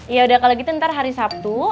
yaudah kalau gitu ntar hari sabtu